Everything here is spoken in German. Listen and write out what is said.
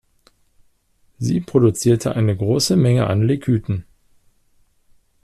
Sie produzierte eine große Menge an Lekythen.